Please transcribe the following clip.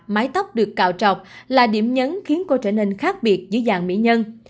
mái tóc được cạo trọc là điểm nhấn khiến cô trở nên khác biệt giữa dạng mỹ nhân